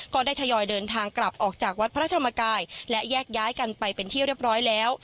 ทยอยเดินทางกลับออกจากวัดพระธรรมกายและแยกย้ายกันไปเป็นที่เรียบร้อยแล้ว